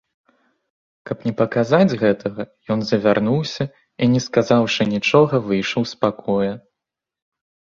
Каб не паказаць гэтага, ён завярнуўся і, не сказаўшы нічога, выйшаў з пакоя.